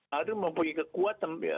harus mempunyai kekuatan